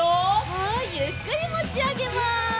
はいゆっくりもちあげます。